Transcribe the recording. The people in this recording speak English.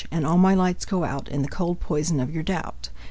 . and all my lights go out In the cold poison of your doubt.